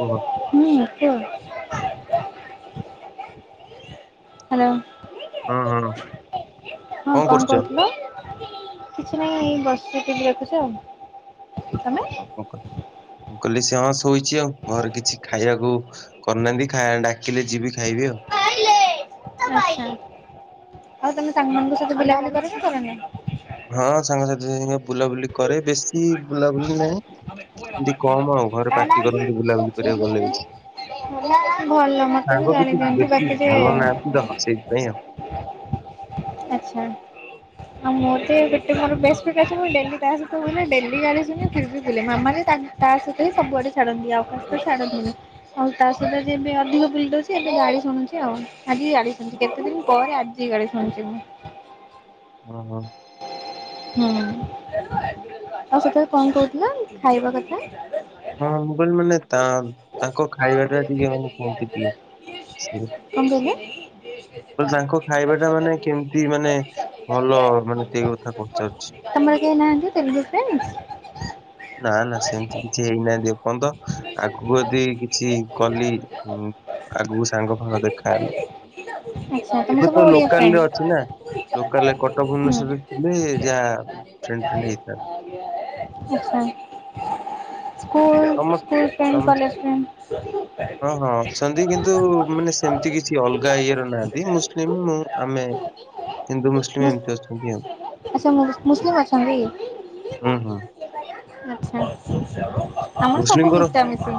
କୁହ ହୁଁ କୁହ ହେଲୋ ହଁ ହଁ ହଁ କଣ କହୁଥିଲ? କିଛି ନାହିଁ ବସିଛି ଟିଭି ଦେଖୁଛି ଆଉ ହଁ, ତମେ? ହଁ, ମୁଁ କହିଲି ସେ ହଁ ଶୋଇଛି ଆଉ ଘରେ କିଛି ଖାଇବାକୁ କରିନାହାନ୍ତି ଖାଇବା ଡାକିଲେ ଯିବି ଖାଇବି ଆଉ। ଆଛା ଆଉ ତମେ ସାଙ୍ଗମାନଙ୍କ ସହିତ ବୁଲାବୁଲି [unintelligible] ହଁ ସାଙ୍ଗସାଥି ସାଙ୍ଗ ବୁଲାବୁଲି କରେ। ବେଶୀ ବୁଲାବୁଲି ନା ଏମତି କମ ଆଉ ଘରେ ପାଟି କରନ୍ତି ବୁଲାବୁଲି କରିବାକୁ ଗଲେ ବେଶୀ। ଭଲ ମତେ ବି ସାଙ୍ଗ ଗାଳି କିଛି ଦିଅନ୍ତି ବାକି ବେଶୀ ଯେ ଭଲ ନାହାନ୍ତି ତ ସେଇଥିପାଇଁ ଆଉ। ଆଚ୍ଛା। ଆଉ ମୋର ତ ଏଇ ଗୋଟ ମୋର ବେଷ୍ଟଫ୍ରେଣ୍ଡ ଅଛି ମୁଁ ଡେଲି ତା ସହିତ ବୁଲେ ଡେଲି ଗାଳି ଶୁଣେ, ଫିର୍ ବି ବୁଲେ ମାମା ତା ସହିତ ହିଁ ସବୁଆଡେ ଛାଡ଼ନ୍ତି ଆଉ କାହା ସହିତ ଛାଡ଼ନ୍ତିନି। ଆଉ ତା ସହିତ ଯେବେ ଅଧିକ ବୁଲିଦୋଉଚି ଏବେ ଗାଳି ଶୁଣୁଚି ଆଉ, ଆଜିି ବି ଗାଳି ଶୁଣିଚି କେତେ ଦିନ ପରେ ଆଜି ଆଜି ବି ଗାଳି ଶୁଣିଛି ମୁଁ। ଓହୋ। ହୁଁ ଆଉ ସେତେବେଳେ କଣ କହୁଥିଲ ଖାଇବା କଥା? ହଁ ହଁ ମୁ କହିଲି ମାନେ ତା ତାଙ୍କ ଖାଇବାଟା ଟିକେ ମାନେ କେମ [unintelligible] କଣ କହିଲି କହିଲେ? ତାଙ୍କ ଖାଇବା ଟା ମାନେ [unintelligible] କେମିତି ମାନେ ଭଲ ତମର ମାନେ ସେଇ କଥା କେହି ପଚାରୁଛି। ନାହାନ୍ତି ତେଲୁଗୁ ନା ନା ସେମିତି ଫ୍ରେଣ୍ଡସ୍? କିଛି ହେଇନାହାନ୍ତି ଏପର୍ଯ୍ୟନ୍ତ ଆଗକୁ ଯଦି କିଛି କଲି ଆଗକୁ ସାଙ୍ଗ ଫାଙ୍ଗ ଦେଖାହେଲେ ଆଚ୍ଛା ତମେ ଏବେ ସବୁ ତ ଓଡିଆ ଲୋକାଲ ରେ ଫ୍ରେଣ୍ଡ? ଅଛି ନା ଲୋକାଲରେ କଟକ ହୁଁ। ଭୁବନେଶ୍ଵରରେ ଥିଲେ ଯାହା ଫ୍ରେଣ୍ଡ ଫ୍ରେଣ୍ଡ ହେଇଥାନ୍ତେ। ଆଚ୍ଛା ସ୍କୁଲ ତମ ସ୍କୁଲ ଫ୍ରେଣ୍ଡ ତମ କଲେଜ ଫ୍ରେଣ୍ଡ ହଁ ହଁ ଅଛନ୍ତି କିନ୍ତୁ ମାନେ ସେମିତି କିଛି ଅଲଗା ଇଏର ନାହାନ୍ତି ମୁସଲିମ ମୁ ଆମେ ହିନ୍ଦୁ ମୁସଲିମ୍ ମୁସ୍ ଏମତି ଅଛି ଆଚ୍ଛା ମୁସଲିମ୍ ଅଛନ୍ତି। ହୁଁ ହୁଁ ଆଛା ଆମର ସବୁ ମୁସଲିମଙ୍କର ମିଶା ମିଶି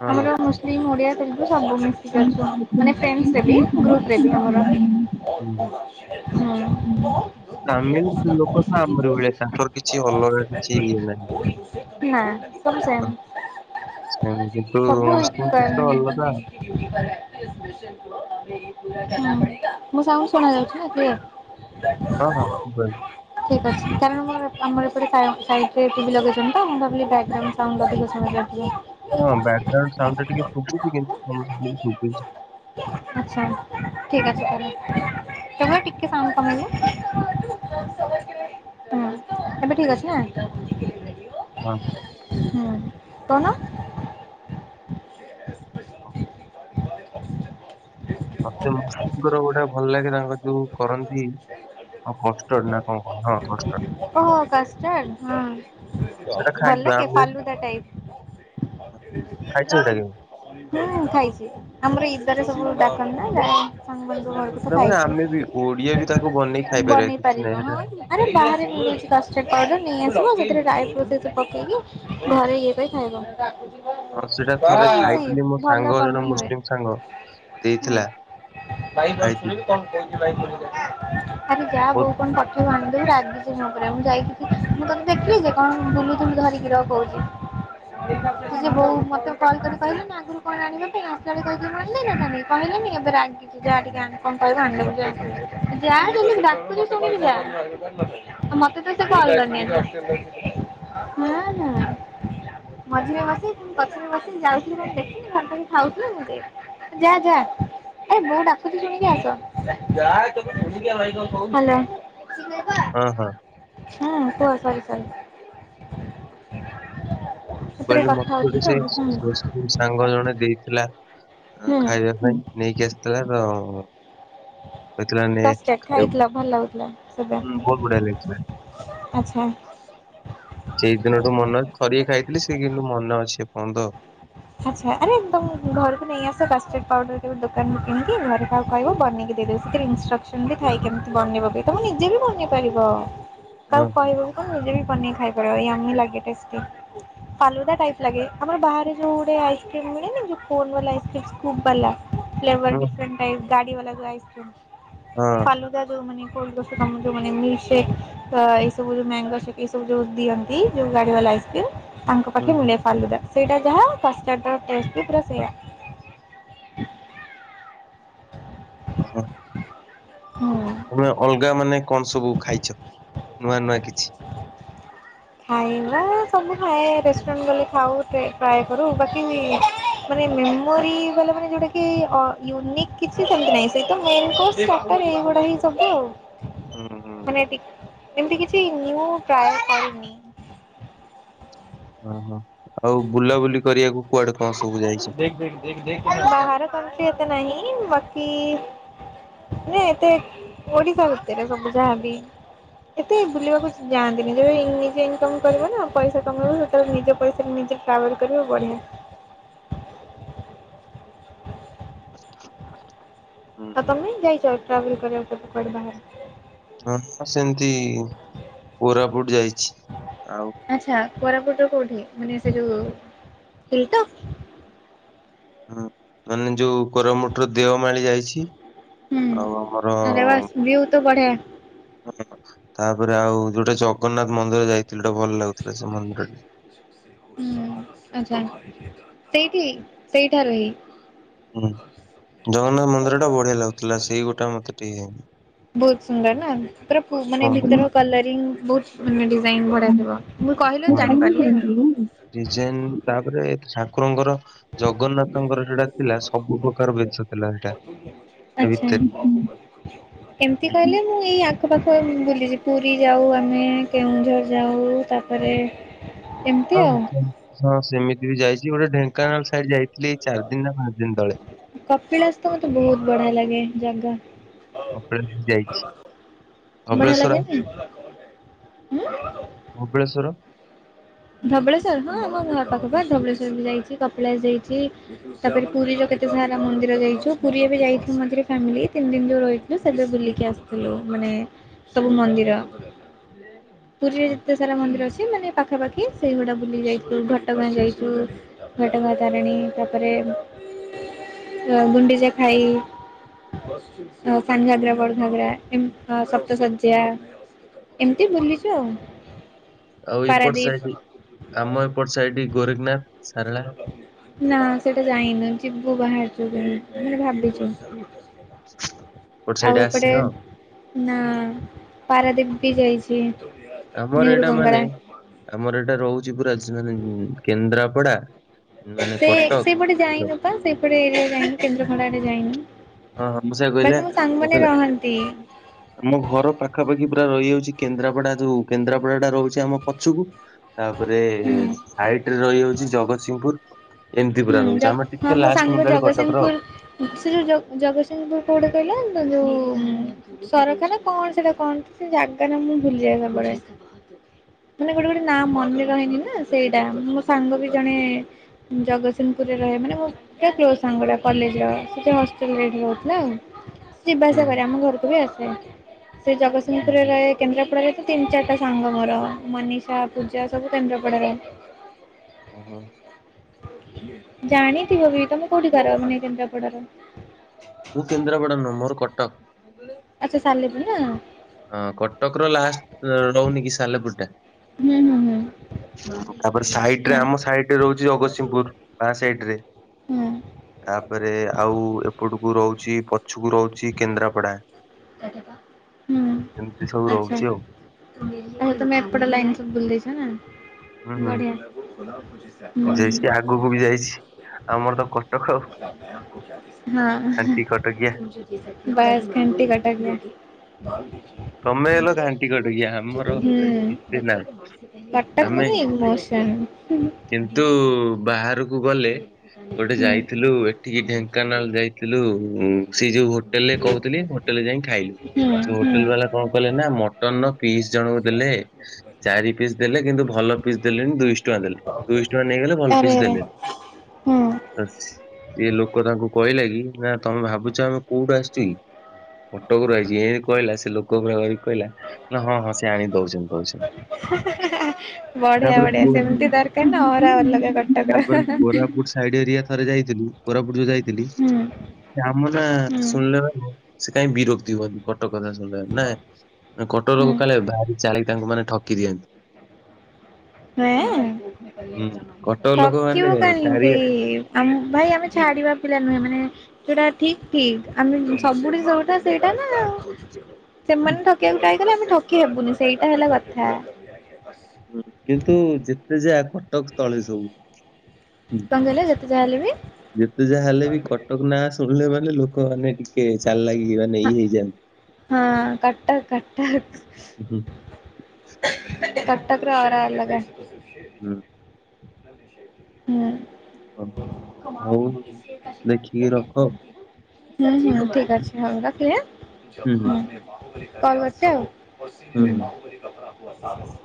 ହଁ ଆମର ମୁ ମୁସଲିମ ଓଡ଼ିଆ ତେଲଗୁ ସବୁ ମିଶିକି ଅଛୁ ମାନେ ଫ୍ରେଣ୍ଡସ୍ ରେ ବି ଗ୍ରୁପ ରେ ବି ଆମର। ହଁ। ହଁ। ହୁଁ। ତାମିଲ ଲୋକ ନା ଆମର ଭଳିଆ ତାଙ୍କର କିଛି ଅଲଗା କିଛି ଇଏ ନାହିଁ। ନା ସବୁ ସେମ୍। ସେ କିନ୍ତୁ ମୁସଲିମ୍ ଟିକେ ଅଲଗା ଆଉ। ହଁ ମ ସାଉଣ୍ଡ ଶୁଣା ଯାଉଛି ନା କ୍ଳିଅର। ହଁ ହଁ ଶୁବା ଠିକ୍ ଅଛି କାରଣ ମୋର ଆମର ଏପଟେ ସାଇ ସାଇଟ ରେ ଟିଭି ଲଗେଇଛନ୍ତି ତ ମୁଁ ଭାବିଲି ବ୍ୟାଗଗ୍ରାଉ ସାଉଣ୍ଡ ଅଧିକ ଶୁଣା ଯାଉଥିବ। ହଁ ବ୍ୟାଗ୍ରାଉଣ୍ଡ ସାଉଣ୍ଡ ଟା ଟିକେ ଶୁବୁଛି କିନ୍ତୁ ତମ ସାଉଣ୍ଡ ବି ଶୁଭୁଛି। ଆଛା ଠିକ ଅଛି ତାହେଲେ ଏବେ ଟିକେ ସାଉଣ୍ଡ କମିଗଲା। ହ ଏବେ ଠିକ ଅଛି ନା। ହଁ। ହୁଁ କଣ? ହଁ। ମତେ ମୁସଲିମଙ୍କର ଗୋଟେ ଭଲ ଲାଗେ ତାଙ୍କ ଯୋଉ କରନ୍ତି। ହ କଷ୍ଟର୍ଡ଼ ନା କଣ କହନ୍ତି ହଁ କଷ୍ ଓହ କଷ୍ଟଡ୍‌ ହଁ ହଁ ସେଇଟା ଭଲ ଖାଇଛୁ ଲାଗେ ଆମେ ଫଲୁଦା ଟାଇପ୍। [inaudible] ଖାଇଛୁ ସେଇଟା କେବେ? ହୁଁ ଖାଇଛି ଆମର ଇଦରେ ସବୁ ଡାକନ୍ତି ନା ଯାଇଚି ସାଙ୍ଗମାନ ଘରକୁ। ସ ତାପରେ ଖାଇଛି ଆମେ ବି ଓଡିଆ ବି ତାକୁ ବନେଇକି ଖାଇପାରିବା ବନେଇ କିଛି ପାରିବ ନାହିଁ ସେଇଟା ହଁ ଆରେ ବାହାରେ। ଛି କାଷ୍ଟର୍ଡ଼ ପାଉଡ଼ର ନେଇ ଆସିବ ସେଥିରେ ଡ୍ରାଇ ଫ୍ରୁଟ୍ ପକେଇକି ଘରେ ଇଏ ପାଇଁ ଖାଇବ। ହଁ ସେଇଟା ଥରେ ଖାଇଥିଲି ମୋ ଭଲ ସାଙ୍ଗ ଜଣେ ବନି ହୁଏ। ମୁସଲିମ ସାଙ୍ଗ ହୁଁ ଦେଇଥିଲା ଖାଇଥିଲି ଆରେ ଯାହା ବୋଉ ବହୁତ କଣ ପଠେଇବ ଆଣିଦବ ରାଗି ମୁଁ ଯାଇଥିଲି ମୁଁ ତତେ ଦେଖିଲି ଯେ କଣ ବୁନଉଛୁ ଧରିକି ରହ କହୁଛି। ସେ ବୋଉ ମତେ କଲ୍ କରି କହିଲେ ନା ଆଗରୁ କଣ ଆଣିବା ପାଇଁ ଆସିଲା ବେଳେ କହିକି ମୁଁ ଆଣି ଦେଇନଥାନ୍ତି। କହିଲେନି ଏବେ ରାଗ୍ ହୁଁ। [inaudible] ମତେ ତ ସେ କଲ କରିନି ଆଜି ନା ନା। ମଝିରେ ବସେଇ ଗଛରେ ବସେଇ ଯାଉଥିଲୁ କଣ ମୁଁ ଦେଖିନି [unintelligible] ଖାଉଥିଲ ମୁଁ ଦେଖ୍ ଯା ଯା। ହାଲୋ। ହଁ ହଁ। ଆଛା କୁହ ସରି ସରି। ଏପଟେ କହିଲି କଥା ମତେ ଗୋଟେ ହଉଥିଲି ସେ ତ ହୁଁ। ମୁସଲିମ୍ ସାଙ୍ଗ ଜଣେ ଦେଇଥିଲା ହୁଁ ଖାଇବା ପାଇଁ ନେଇକି ଆସିଥିଲା ତ। କହିଥିଲା ନେ କଷ୍ଟେଡ଼ ଖାଇବୁ। ଖାଇଥିଲ ଭଲ ଲାଗୁଥିଲା ସେବା ହୁଁ ବହୁତ ବଢିଆ ଲାଗିଥିଲା। ଆଚ୍ଛା। ସେଇ ଦିନଠୁ ମନ ଥରିଏ ଖାଇଥିଲି ସେଇଦିନଠୁ ମନେ ଅଛି ଏପର୍ଯ୍ୟନ୍ତ। ଆଚ୍ଛା ଆରେ ତମ୍ ଘରକୁ ନେଇ ଆସ କଷ୍ଟର୍ଡ ପାଉଡର କେବେ ଦୋକାନରୁ କିିଣିକି ଘରେ କାହାକୁ କହିବ ବନେଇକି ଦେବେ। ଇନଷ୍ଟ୍ରକ୍ସନ ବି ଥାଇ କେମିତି ବନେଇବ କି ତମେ ନିଜେ ବି ବନେଇ ପାରିବ ହଁ କାହାକୁ କହିବ ଆପଣ ନିଜେ ବି ବନେଇ ଖାଇପାରିବ ୟମୀ ଲାଗେ ଟେଷ୍ଟ ଫାଲୁଦା ଟାଇପ୍ ଲାଗେ ଆମର ବାହାରେ ଯଉଡେ ଆଇସ୍କ୍ରିମ ମିଳେନି ଯଉ କୋନ ଵାଲା ଆଇସ୍କ୍ରିମ୍ ସ୍କୋବ ବାଲା ଫ୍ଲେବର ହଁ ଡିଫରେଣ୍ଟ ଟାଇପ୍। ଟି ବାଲା କୁ ଆଇସ୍କ୍ରିମ୍। ହଁ। ଫାଲୁଦା ଯୋଉ ମାନେ କରୁଛନ୍ତି କାମ ଯୋଉ ମାନେ ମିଲ୍‌କି ସେକ୍। ତ ଏଇ ସବୁ ଯୋଉ ମ୍ୟାଙ୍ଗ ଏଇ ସବୁ ଯୋଉ ଦିଅନ୍ତି ଯୋଉ ଗାଡି ବାଲା ଆଇସ୍କ୍ରି ତାଙ୍କ ହଁ ହୁଁ ପାଖେ ହୁଁ ମୁଲେଇ ଫାଲୁଦା ସେଇଟା ଯାହା ଫାଷ୍ଟାର୍ଡ଼ର ଟେଷ୍ଟ ବି ପୁରା ସେଇୟା। ହଁ ହୁଁ। ଅଲଗା ମାନେ କଣ ସବୁ ଖାଇଛ ନୂଆ ନୂଆ କିଛି? ଖାଇବା ସବୁ ଖାଏ ରେଷ୍ଟୁରାଣ୍ଟ ଗଲେ ଖାଉ ଟ୍ରାଏ କରୁ ବାକି ମାନେ ମେମୋରି ବା ମାନେ ଯୋଉଟା କି ୟୁନିକ୍ କିଛି ସେମତି ନାହିଁ ସେଇ ତ ମେନ କ ସତରେ ଏଗୁଡା ହି ସବୁ ହୁଁ ହୁଁ ଆଉ। ମାନେ ଏମତି କିଛି ନିଉ ଟ୍ରାୟେ କରିନି। ଓହୋ ଆଉ ବୁଲାବୁଲି କରିବାକୁ କୁଆଡେ କଣ ସବୁ ଯାଇଛ? ବାହାର କାଣ୍ଟ୍ରି ଏତେ ନାହିଁ ବାକି ନ ଏତେ ଓଡିଶା ଭିତରେ ସବୁ ଯାହାବି। ଏତେ ବୁଲିବାକୁ ଯାଆନ୍ତିନି ଯେବେ ନିଜେ ଇନକମ କରିବ ନା ପଇସା କମେଇବ ସେତେବେଳେ ନିଜ ପଇସାରେ ନିଜେ ଟ୍ରାଭେଲ କରିବ ବଢ଼ିଆ। ହୁଁ ଆଉ ହୁଁ ତମେ ଯାଇଛ ଟ୍ରାଭେଲ କରିବାକୁ କେବେ କୁଆଡେ ବାହାରେ? ହଁ ମୁଁ ସେମିତି କୋରାପୁଟ ଯାଇଛି ଆଉ। ଆଛା କୋରାପୁଟର କୋଉଠି ମାନେ ସେ ଯୋଉ ହିଲ୍ ଟପ। ହୁଁ ମାନେ ଯୋଉ କରୋମୁଟର ଦେହ ମାଳି ଯାଇଛି। ଛି ହୁଁ ଆଉ ଆମର ଆରେ ବାସ୍ ଭିଉ ତ ବଢିଆ ହଁ ତାପରେ ଆଉ ଯୋଉଟା ଜଗନ୍ନାଥ ମନ୍ଦିର ଯାଇଥିଲି ଯୋଉଟା ଭଲ ଲାଗୁଥିଲା ସେ ମନ୍ଦିର। ହୁଁ ଆଛା ସେଇଠି ସେଇଠା ରେ ହିଁ। ହୁଁ ଜଗନ୍ନାଥ ମନ୍ଦିର ଟା ବଢିଆ ଲାଗୁଥିଲା ସେଇ ଗୋଟା ମତେ ଟିକେ ବହୁତ ସୁନ୍ଦର ନା ହଁ। ମାନେ ଭିତର କଲରିଂ ବହୁତ ମାନେ ଡିଜାଇନ ଭଢିଆ ଥିବ, ମୁଁ କହିଲ ଜାଣିପାରିଲି ଆଉ। ଡିଜାଇନ ତାପରେ ଠାକୁରଙ୍କର ଜଗନ୍ନାଥଙ୍କର ସେଟା ଥିଲା ସବୁ ପ୍ରକାର ବେଶ ଥିଲା ସେଟା। ତା ଭିତରେ। କେମିତି ହୁଁ କହିଲେ? ମୁଁ ଏଇ ଆଖପାଖ ବୁଲିଛି ପୁରୀ ଯାଉ, ଆମେ କେଉଁଝର ଯାଉ, ତାପରେ ଏମିତି ହଁ, ଆଉ ହଁ, ସେମିତି ବି ଯାଇଛି ଗୋଟେ ଢେଙ୍କାନାଳ ସାଇଡ ଯାଇଥିଲି ଏଇ ଚାରି ଦିନ ନା ପାଞ୍ଚ ଦିନ ତଳେ। କପିଳାସ ତ ମତେ ବହୁତ ବଢିଆ ଲାଗେ ଜାଗା। କପିଳାସ ଯାଇଛି, ବଢିଆ ଧବଳେଶ୍ୱର? ଲାଗେନି ଉଁ ଧବଳେଶ୍ୱର ଧବଳେଶ୍ଵର ହଁ ଆମ ଘର ପାଖ, ପା ଧବଳେଶ୍ୱର ବି ଯାଇଛି କପିଳାସ ଯାଇଛି ତାପରେ ପୁରୀର କେତ ତ ସାରା ମନ୍ଦିର ଯାଇଛୁ ପୁରୀ ଏବେ ଯାଇଥିଲୁ ମଝୀରେ ଫ୍ୟାମିଲି ତିନି ଦିନ ଯୋଉ ରହିଥିଲୁ ସେଥି ବୁଲିକି ଆସିଥିଲୁ ମାନେ ସବୁ ମନ୍ଦିର, ପୁରୀରେ ଯେତେ ସାରା ମନ୍ଦିର ଅଛି ମାନେ ପାଖାପାଖି। କି ସେଇଗୁଡା ବୁଲିକ ଯାଇଥିଲୁ, ଘଟଗାଁ ଯାଇଛୁ। ଘଟଗାଁ ତାରିଣୀ, ତାପରେ ଗୁଣ୍ଡିଚା ଖାଇ। ଅ ସାନଘାଗରା, ବଡ଼ଘାଗରା, ଏମ ସପ୍ତସର୍ଯ୍ୟା। ଏମିତି ବୁଲିଛୁ ଆଉ। ଆଉ ଏପଟ ପାରାଦୀପ ସାଇଟ୍ ଆମ ଏପଟ ସାଇଟ୍ ଗୋରଖନାଥ, ସାରଳା। ନା ସେଟା ଯାଇନୁ, ଯିବୁ ବାହାରୁଛୁ କି ମାନେ ଭାବିଛୁ। ଏପଟ ସାଇଡ୍ ଆଉ ଏପଟେ ଆସିନ ନା ପାରାଦ୍ୱୀପ ବି ଯାଇଛି, ଆମର ନେହେରୁ ଏଇଟା ମାନେ ବଙ୍ଗଳା। ଆମର ଏଇଟା ରହୁଛି ପୁରା ମାନେ କେନ୍ଦ୍ରାପଡା ମାନେ ସେ କଟକ ସେପଟେ ହଁ ଯାଇନୁ ପା ସେଇପଟେ ଏରିଆ ଯାଇନି କେନ୍ଦ୍ରପଡ଼ା ଯାଇନି। ହଁ ମୁଁ ସେୟା କହିଲେ ବାକି ମୋ ମୁଁ ସାଙ୍ଗମାନେ କହିଲେ ରହନ୍ତି। ଆମ ଘର ପାଖାପାଖି ପୁରା ରହିଯାଉଛି, କେନ୍ଦ୍ରାପଡା ଯୋଉ କେନ୍ଦ୍ରାପଡା ଟା ରହୁଛି ଆମ ପଛୁକୁ। ତାପରେ ହୁଁ ସାଇଟ ରେ ରହିଯାଉଛି ଜଗତସିଂହପୁର। ଏମିତି ହୁଁ ପୁରା ଜ ରହୁଛି ଆମେ ହଁ ଟିକେ ମୋ ଲାଷ୍ଟ ସାଙ୍ଗ ମଣ୍ଡାଳୀ କଟକର ଜଗତସିଂହପୁର ଆଉ। ସେ ଯୋଉ ଜ ଜଗତସିଂହପୁର କଉଟା କହିଲେ ତ ଯୋଉ ସରକାର କଣ ସେଟା କଣ ସେ ଜାଗା ଟା ମୁଁ ଭୁଲି ଯାଏ ସବୁ ବେଳେ। [inaudible] ମାନେ ଗୋଟେ ଗୋଟେ ନାଁ ମନେ ରହେନି ନା ସେଇଟା ମୋ ସାଙ୍ଗ ବି ଜଣେ ଜଗ ସିଂହପୁରରେ ରହେ ମାନେ ମୋ ପୁରା କ୍ଲୋଜ୍ ସାଙ୍ଗଟା କଲେଜର ସେଥି ହଷ୍ଟେଲ ରେ ଏଠି ରହୁଥିଲା ଆଉ। ଯିବା ହୁଁ ଆସିବା କରେ ଆମ ଘରକୁ ବି ଆସେ ସେ ହୁଁ ଜଗତସିଂହପୁର ହୁଁ ହୁଁ ରେ ରୁହେ। କେନ୍ଦ୍ରାପଡାରେ ତ ତିନି ଚାରିଟା ସାଙ୍ଗ, ମୋର ମନୀଷା ପୂଜା ସବୁ କେନ୍ଦ୍ରାପଡାର। ଓହୋ। ଜାଣିଥିବ ବି ତମେ କୋଉଠି ଘର କେନ୍ଦ୍ରାପଡାର? ମୁଁ କେନ୍ଦ୍ରାପଡ଼ା ନୁହଁ ମୋର କଟକ। ଆଚ୍ଛା ସାଲେପୁର ନା? ହଁ କଟକ ର ଲାଷ୍ଟ ରହୁନି କି ସାଲେପୁର ଟା। ହୁଁ-ହୁଁଁ-ହୁଁ। ତାପରେ ସାଇଡ ରେ ଆମ ସାଇଟ ରେ ରହୁଛି ଜଗତସିଂହପୁର ବାଁ ସାଇଡ ରେ। ହୁଁ ତାପରେ ଆଉ ଏପଟକୁ ରହୁଛି ପଛକୁ ରହୁଛି କେନ୍ଦ୍ରାପଡା। ଏମିତି ସବୁ ହୁଁ-ଆଚ୍ଛା। ଆଛା ରହୁଛି ଆଉ ତମେ ଏପଟ ଲାଇନ ସବୁ ବୁଲି ଦେଇଛ ନା ବଢିଆ। ହୁଁ। ଯାଇଛି ଆଗକୁ ବି ଯାଇଛି। ଆମର ତ କଟକ ଆଉ ଖାଣ୍ଟି କଟକିଆ ହଁ-ଏହେ। ବାସ୍ ଖାଣ୍ଟି କଟକ ତମେ ହେଲ ଖାଣ୍ଟି କଟକିଆ ରେ। ଆମର ହୁଁ। ଏତେ ନାଇଁ କଟକ ଆମେ ମାନେ ଇମୋସନ ହୁଁ-ହୁଁ। କୁ ଗଲେ ଗୋଟେ ଯାଇଥିଲୁ ଏଠିକି ଢେଙ୍କାନାଳ ଯାଇଥିଲୁ ସେଇ ଯୋଉ ହୋଟେଲରେ କହୁଥିଲି ହୋଟେଲରେ ଯାଇଁ ଖାଇଲୁ ହୁଁ ସେ ହୋ ହୁଁ ଟେଲ୍ ବାଲା କଣ କଲେ ନା ମଟନ ପିସ୍ ଜଣଙ୍କୁ ଦେଲେ ଚାରି ପିସ୍ ଦେଲେ କିନ୍ତୁ ଭଲ ପିସ୍ ଦେଲେନି ଦୁଇଶହ ଟଙ୍କା ଦେଲେ। ଦୁଇଶ ଟଙ୍କା ନେଇଗଲେ ଭଲ ଆରେ ପିସ୍ ଆରେ ଦେଲେନି। ହୁଁ। ସଇଏ ଲୋକ ତାଙ୍କୁ କହିଲା କି ନା ତମେ ଭାବୁଛ ଆମେ କୋଉଠୁ ଆସିଚୁ କି? କଟକରୁ ଆଇଚୁ ଏନ୍ତୀ କଇଲା ସେ ଲୋକ ପୁରା କରିକି କହିଲା ନା ହଁ-ହଁ ସେ ଆଣି ଦଉଛନ୍ତି-ଦଉଛନ୍ତି। ହା-ହା-ହା-ହା ବଢିଆ-ବଢିଆ ସେମିତି ଦରକାର ନା ଅରା ଅଲଗା କଟକର ହେ-ହେ। ଗୋଟେ ସାଇଡ ହେରିଆ ଥରେ ଯାଇଥିଲୁ କୋରାପୁଟ ଯୋଉ ଯାଇଥିଲି ହୁଁ ସେ ଆମ ନା ହୁଁ ଶୁଣିଲେ ମାନେ ସେ କାଇଁ ବିରକ୍ତି ହୁଅନ୍ତି କଟକ କଥା ଶୁଣିଲେ। ନାଁ କଟକ ହୁଁ ଲୋକ କାଳେ ବାହାରି ଚାଳି ତାଙ୍କୁ ମାନେ ଠକି ଦିଅନ୍ତି। ହେଁ ହୁଁ କଟକ ଲୋକ ମାନେ ଠକିବୁ କାହିଁକି? ଚାରିଆଡେ ଆମକୁ ଭାଇ ଆମେ ଛାଡିବା ପିଲା ନୁହେଁ ମାନେ ଯୋଉଟା ଠିକ୍ ଠିକ୍ ଆମେ ସବୁଠି ଜଉଟା ସେଇଟା ନା ଆଉ। ସେମାନେ ଠକିବାକୁ ଚାହିଁଥିଲେ ଆମେ ଠକି ହେବୁନି ସେଇଟା ହେଲା କଥା। ହୁଁ କିନ୍ତୁ ଯେତେ ଯା କଟକ ତଳେ ସବୁ। କଣ କହିଲେ ଯେତେ ଯାହା ହେଲେ ବି ଯେତେ ଯାହା ହେଲେ ବି କଟକ ନାଁ ଶୁଣିଲେ ମାନେ ଲୋକମାନେ ଟିକେ ଚାଲାଖି ମାନେ ଇଏ ହେଇଯାଆନ୍ତି। ହଁ କଟକ-କଟକ। ହୁଁ, କଟକର ଅରା ଅଲଗା। ହୁଁ। ହଁ। [inaudible] ହଉ ଦେଖିକି ରଖ। ହୁଁ, ହୁଁ-ହୁଁ ଠିକ ଅଛି ହଉ ରଖିଲି ଆଁ ହୁଁ କଲ୍ କରୁଚି। ହୁଁ। [unintelligible] ହୁଁ।